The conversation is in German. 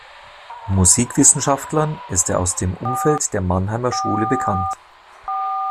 Musikwissenschaftlern ist er aus dem Umfeld der Mannheimer Schule bekannt.